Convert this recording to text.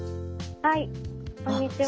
☎はいこんにちは。